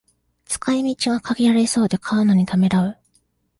使い道が限られそうで買うのにためらう